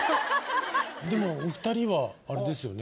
でもお２人はあれですよね